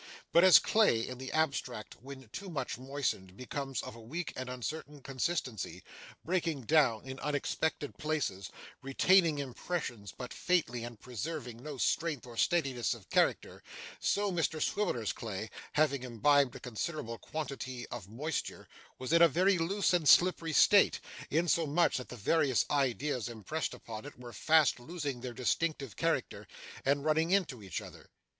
But as clay in the abstract, when too much moistened, becomes of a weak and uncertain consistency, breaking down in unexpected places, retaining impressions but faintly, and preserving no strength or steadiness of character, so Mr Swiveller's clay, having imbibed a considerable quantity of moisture, was in a very loose and slippery state, insomuch that the various ideas impressed upon it were fast losing their distinctive character, and running into each other.